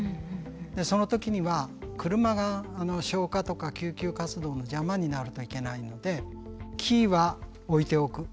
その時には車が消火とか救急活動の邪魔になるといけないのでキーは置いておく。